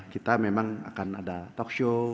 kita memang akan ada talkshow